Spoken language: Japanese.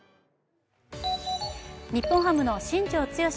日本ハムの新庄剛志